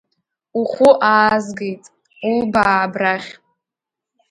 Ухәы аазгеит, улбаа абрахь.